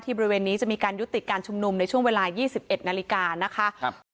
บริเวณนี้จะมีการยุติการชุมนุมในช่วงเวลา๒๑นาฬิกานะคะ